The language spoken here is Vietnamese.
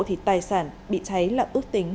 thì tài sản bị cháy là ước tính